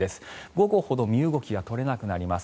午後ほど身動きが取れなくなります。